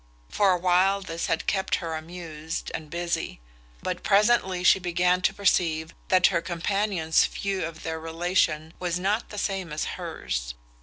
For a while this had kept her amused and busy; but presently she began to perceive that her companion's view of their relation was not the same as hers.